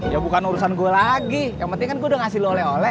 ya bukan urusan gue lagi yang penting kan gue udah ngasih oleh oleh